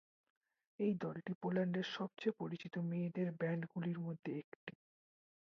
এই দলটি পোল্যান্ডের সবচেয়ে পরিচিত মেয়েদের ব্যান্ডগুলোর মধ্যে একটি।